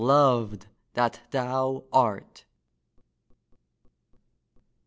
loved that thou art!